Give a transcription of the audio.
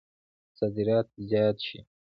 صادرات زیات شي.